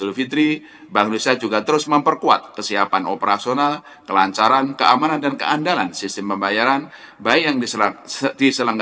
untuk itu bank nisa terus meningkatkan peran sistem pembayaran dalam mendukung upaya pemulihan ekonomi dari covid sembilan belas